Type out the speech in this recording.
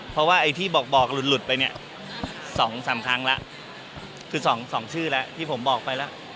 เพราะว่าไอที่บอกหลุดไปเนี่ย๒๓ครั้งแล้วคือ๒ชื่อแล้วที่ผมบอกไปแล้ว